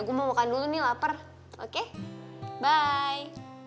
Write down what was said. gue mau makan dulu nih laper oke bye